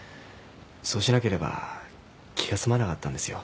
そうしなければ気が済まなかったんですよ。